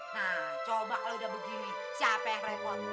nah coba kalau udah begini siapa yang repon